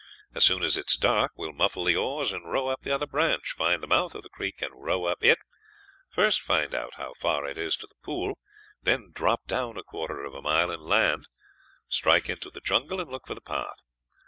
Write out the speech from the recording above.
As soon as it is dark we will muffle the oars, and row up the other branch, find the mouth of the creek and row up it, first find how far it is to the pool, then drop down a quarter of a mile and land, strike into the jungle, and look for the path.